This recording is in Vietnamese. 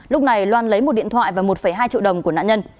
lúc này loan lấy một điện thoại và một hai triệu đồng của nạn nhân